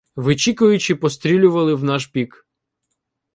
Вичікуючи, пострілювали в наш бік.